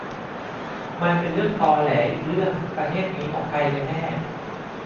มันเป็นเรื่องตอแหลอีกเรื่อง ประเทศนี้ของใครกันแน่ ?